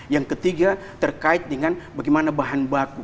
yang ketiga terkait dengan bagaimana bahan baku